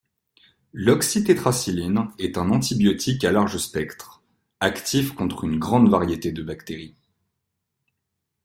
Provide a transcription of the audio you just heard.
L'oxytétracycline est un antibiotique à large spectre, actif contre une grande variété de bactéries.